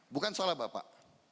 bukan salah bapak